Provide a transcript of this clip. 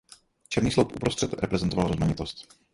Černý sloup uprostřed reprezentoval rozmanitost.